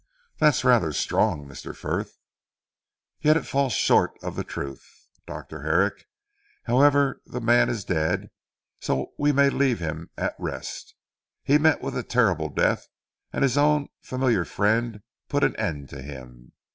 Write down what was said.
"That's rather strong Mr. Frith." "Yet it falls short of the truth Dr. Herrick. However the man is dead, so we may leave him at rest. He met with a terrible death, and his own familiar friend put an end to him.